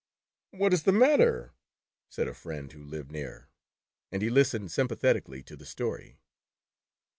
"What is the matter?" said a friend who lived near, and he listened sympathetically to the story.